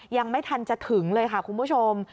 ยังไม่ทันจะถึงเลยค่ะคุณผู้ชม